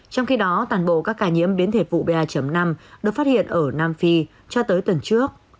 trong khi đó toàn bộ các ca nhiễm biến thể vụ ba năm được phát hiện ở nam phi cho tới tuần trước